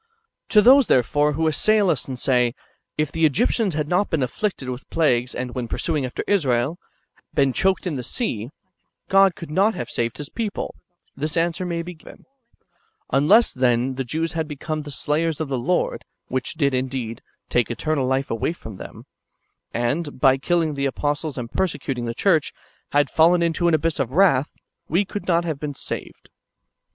To those, therefore, who assail us, and say. If the Egyptians had not been afflicted with plagues, and, when pursuing after Israel, been choked in the sea, God could not have saved His people, this answer may be given ;— Unless, then, the Jews had become the slayers of the Lord (which did, indeed, take eternal life away from them), and, by killing the apostles and persecuting the church, had fallen into an abyss of wrath, we could not have been saved.